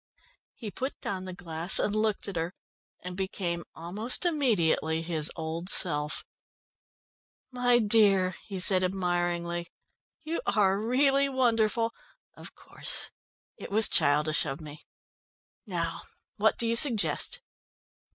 He put down the glass, and looked at her, and became almost immediately his old self. "My dear," he said admiringly, "you are really wonderful. Of course, it was childish of me. Now what do you suggest?"